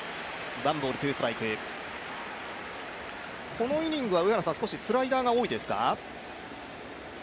このイニングは少しスライダーが多いですか。